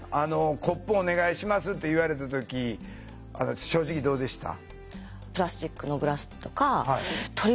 コップお願いしますって言われた時正直どうでした？